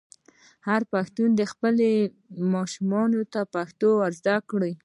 هر پښتون دې خپلو ماشومانو ته پښتو زده کړه.